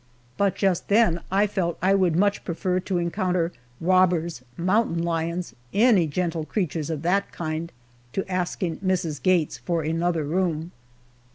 But just then I felt that I would much prefer to encounter robbers, mountain lions, any gentle creatures of that kind, to asking Mrs. Gates for another room.